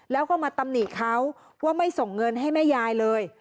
แล้วก็มาตำหนิเขาว่าไม่ส่งเงินให้แม่ยายเลย